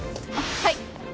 はい。